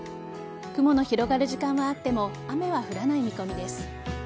雲の広がる時間はあっても雨は降らない見込みです。